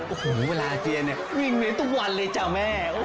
โอ้โฮเวลาเจ๊นวิ่งไปตัววันเลยจ้าแม่